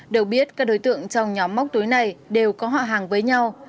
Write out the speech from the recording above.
đều biết các đối tượng trong nhóm móc túi này đều có họ hàng với nhau